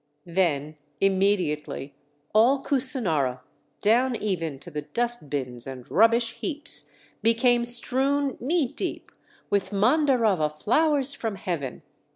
Then immediately all Kusinara down even to the dust bins and rubbish heaps became strewn knee deep with Mandarava flowers from heaven!